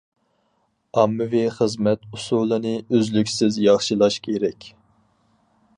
ئاممىۋى خىزمەت ئۇسۇلىنى ئۈزلۈكسىز ياخشىلاش كېرەك.